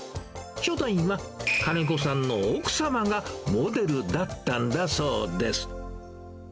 初代は、金子さんの奥様がモデルだったんだそうです。